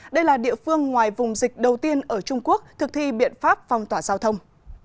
đây là địa phương ngoài vùng dịch đầu tiên ở trung quốc thực thi biện pháp phong tỏa giao thông